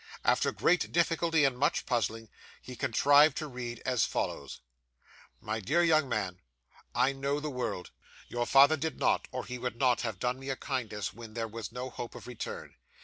After great difficulty and much puzzling, he contrived to read as follows: My dear young Man. I know the world. Your father did not, or he would not have done me a kindness when there was no hope of return.